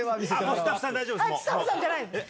スタッフさんじゃない。